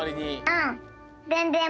うん。